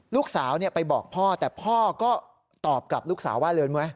ลูกสาวเนี่ยไปบอกพ่อแต่พ่อก็ตอบกับลูกสาวว่าเรียนไหม